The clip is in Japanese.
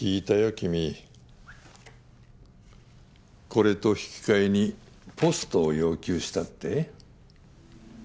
君これと引き換えにポストを要求したって？